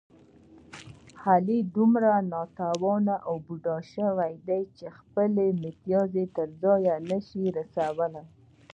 علي دومره ناتوانه و بوډا شوی دی، چې خپل متیازې تر ځایه نشي رسولی.